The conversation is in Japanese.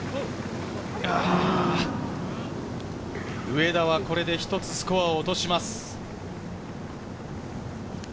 上田はこれで一つスコアを落とします。